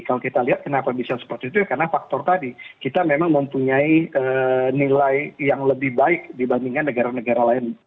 kalau kita lihat kenapa bisa seperti itu karena faktor tadi kita memang mempunyai nilai yang lebih baik dibandingkan negara negara lain